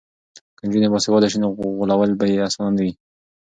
که نجونې باسواده شي نو غولول به یې اسانه نه وي.